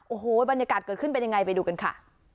โอ้โหบรรยากาศเกิดขึ้นเป็นยังไงไปดูกันค่ะ